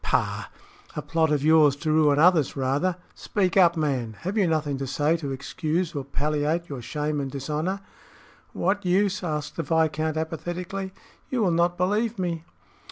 "Pah! a plot of yours to ruin others rather. Speak up, man! Have you nothing to say to excuse or palliate your shame and dishonor?" "What use?" asked the viscount, apathetically. "You will not believe me."